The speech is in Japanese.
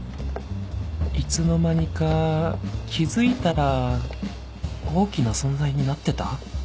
いつの間にか気付いたら大きな存在になってた？